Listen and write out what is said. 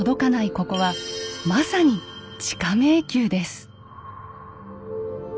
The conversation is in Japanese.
ここはまさに地下迷宮です。